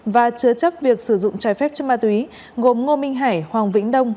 và chứa chấp việc sử dụng trái phép chất ma túy gồm ngô minh hải hoàng vĩnh đông